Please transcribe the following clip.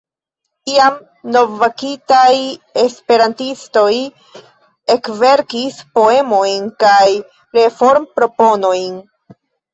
Iam novbakitaj esperantistoj ekverkis poemojn kaj reformproponojn.